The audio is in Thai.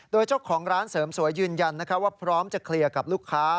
โดยเจ้าของร้านเสริมสวยยืนยันว่าพร้อมจะเคลียร์กับลูกค้า